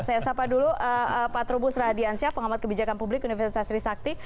saya sapa dulu pak trubus radiansyah pengamat kebijakan publik universitas trisakti